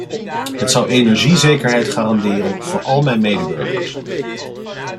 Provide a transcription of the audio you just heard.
Het zou energiezekerheid garanderen voor al mijn medeburgers.